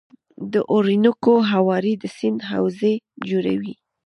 د اورینوکو هوارې د سیند حوزه جوړوي.